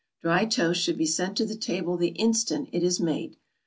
Dry toast should be sent to the table the instant it is made.